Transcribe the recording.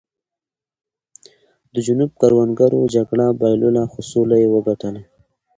د جنوب کروندګرو جګړه بایلوله خو سوله یې وګټله.